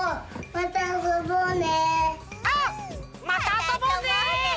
またあそぼうね！